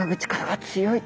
はい。